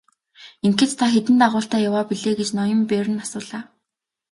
Ингэхэд та хэдэн дагуултай яваа билээ гэж ноён Берн асуулаа.